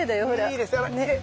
いいですね。